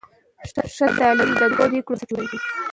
ښځینه تعلیم د ګډو پرېکړو بنسټ جوړوي.